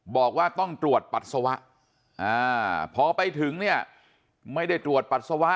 บอกว่าต้องตรวจปัสสาวะพอไปถึงเนี่ยไม่ได้ตรวจปัสสาวะ